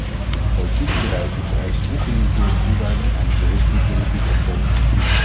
Politiek bedrijven vereist ongelimiteerde toewijding en een gericht diplomatiek optreden.